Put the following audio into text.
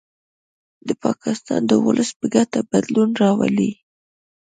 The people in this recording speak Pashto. د پاکستان د ولس په ګټه بدلون راولي